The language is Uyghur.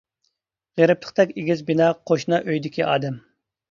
غېرىبلىقتەك ئېگىز بىنا قوشنا ئۆيدىكى ئادەم.